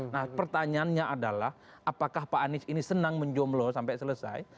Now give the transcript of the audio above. nah pertanyaannya adalah apakah pak anies ini senang menjomlo sampai selesai